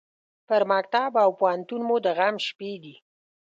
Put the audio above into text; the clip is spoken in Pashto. پر مکتب او پوهنتون مو د غم شپې دي